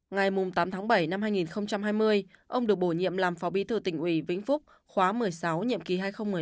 ngày tám tháng bảy năm hai nghìn hai mươi ông được bổ nhiệm làm phó bí thư tỉnh ủy vĩnh phúc khóa một mươi sáu nhiệm ký hai nghìn một mươi năm hai nghìn hai mươi